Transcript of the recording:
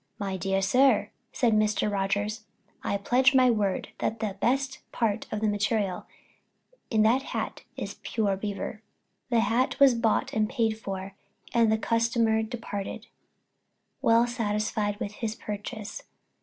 "My dear sir," said Mr. Rogers, "I pledge my word that the best part of the material in that hat is pure beaver." The hat was bought and paid for and the customer departed, well satisfied with his purchase.